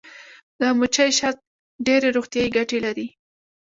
د مچۍ شات ډیرې روغتیایي ګټې لري